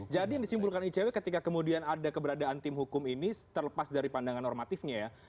jadi yang disimpulkan icw ketika kemudian ada keberadaan tim hukum ini terlepas dari pandangan normatifnya ya